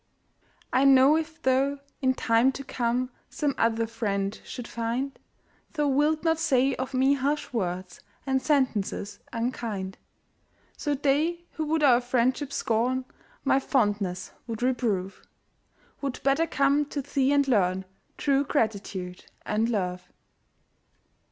I know if thou, in time to come, Some other friend should find, Thou wilt not say of me harsh words And sentences unkind. So they who would our friendship scorn My fondness would reprove, Would better come to thee and learn True gratitude and love.